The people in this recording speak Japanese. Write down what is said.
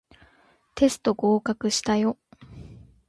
テスト合格したよ